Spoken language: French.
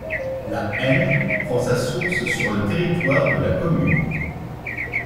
La Haine prend sa source sur le territoire de la commune.